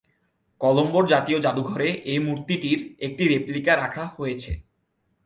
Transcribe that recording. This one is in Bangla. কলম্বোর জাতীয় জাদুঘরে এই মূর্তিটির একটি রেপ্লিকা রাখা হয়েছে।